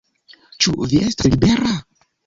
Ĉu vi estas libera?